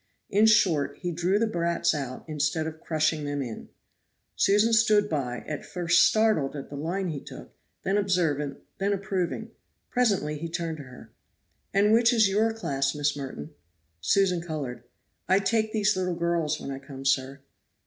In short, he drew the brats out instead of crushing them in. Susan stood by, at first startled at the line he took, then observant, then approving. Presently he turned to her. "And which is your class, Miss Merton?" Susan colored. "I take these little girls when I come, sir.